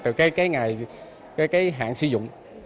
từ cái ngày cái hạn sử dụng